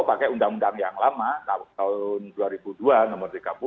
pakai undang undang yang lama tahun dua ribu dua nomor tiga puluh